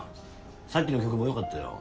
さっきの曲もよかったよ